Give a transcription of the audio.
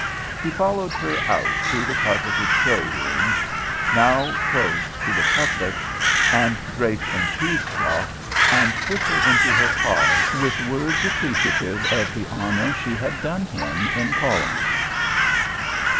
He followed her out through the carpeted show room, now closed to the public and draped in cheesecloth, and put her into her car with words appreciative of the honour she had done him in calling.